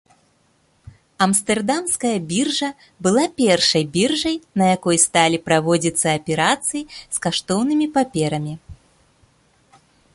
Амстэрдамская біржа была першай біржай, на якой сталі праводзіцца аперацыі з каштоўнымі паперамі.